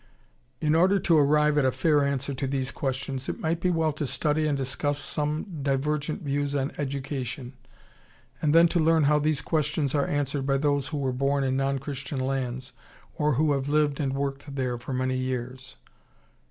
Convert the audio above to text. ] In order to arrive at a fair answer to these questions it might be well to study and discuss some divergent views on education and then to learn how these questions are answered by those who were born in non Christian lands or who have lived and worked there for many years.